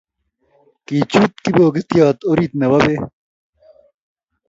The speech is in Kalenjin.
Kichut kipokitiot orit nebo pek